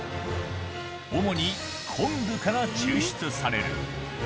主に昆布から抽出される。